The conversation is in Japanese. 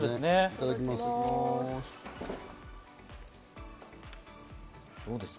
いただきます。